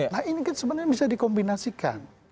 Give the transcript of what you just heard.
nah ini kan sebenarnya bisa dikombinasikan